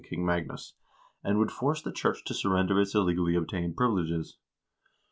king sverre's reign 391 force the church to surrender its illegally obtained privileges.